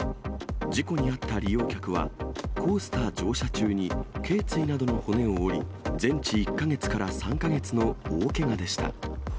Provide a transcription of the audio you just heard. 事故に遭った利用客は、コースター乗車中にけい椎などの骨を折り、全治１か月から３か月の大けがでした。